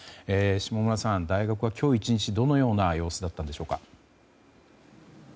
下村さん、大学は今日１日どのような様子だったんでしょうか。